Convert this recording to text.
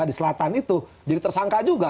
di selatan itu jadi tersangka juga